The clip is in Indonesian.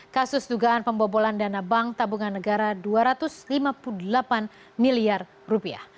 kasus dugaan pembobolan dana bank tabungan negara dua ratus lima puluh delapan miliar rupiah